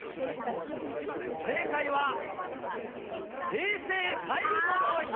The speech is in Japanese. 正解は、平成最後の日。